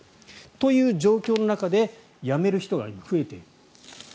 という状況の中で辞める人が今、増えている。